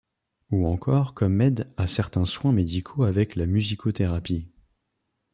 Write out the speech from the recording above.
Ou encore comme aide à certains soins médicaux avec la musicothérapie.